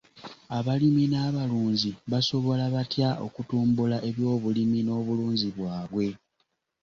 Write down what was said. Abalimi n'abalunzi basobola batya okutumbula ebyobulimi n'obulunzi bwabwe?